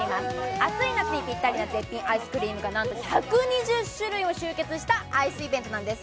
暑い夏にぴったりな絶品アイスクリームがなんと１２０種類も集結したアイスイベントなんです。